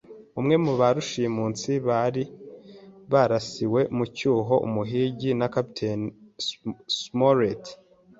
umwe mu ba rushimusi bari barasiwe mu cyuho, Umuhigi, na Kapiteni Smollett;